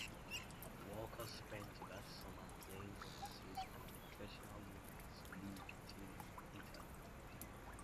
Walker spent that summer playing overseas on a professional women's league team in Italy.